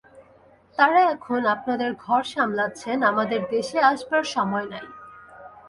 তাঁরা এখন আপনাদের ঘর সামলাচ্ছেন, আমাদের দেশে আসবার সময় নাই।